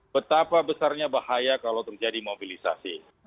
betapa besarnya bahaya kalau terjadi mobilisasi